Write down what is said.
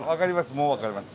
もう分かります。